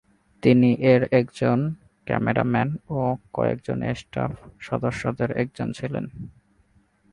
তিনি এর একজন ক্যামেরা ম্যান ও কয়েকজন স্টাফ সদস্যের একজন ছিলেন।